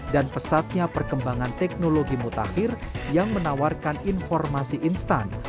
dan pesatnya perkembangan teknologi mutakhir yang menawarkan informasi instan